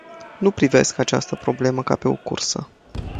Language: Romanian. Nu privesc această problemă ca pe o cursă.